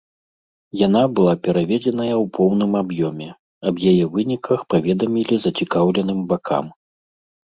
Яна была праведзеная ў поўным аб'ёме, аб яе выніках паведамілі зацікаўленым бакам.